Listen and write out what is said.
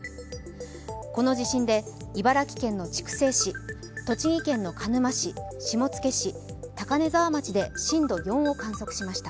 この地震で茨城県筑西市、栃木県鹿沼市、下野市、高根沢町で震度４を観測しました。